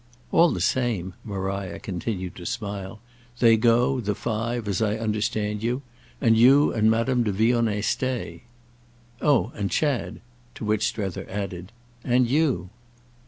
"All the same"—Maria continued to smile—"they go, the five, as I understand you, and you and Madame de Vionnet stay." "Oh and Chad." To which Strether added: "And you."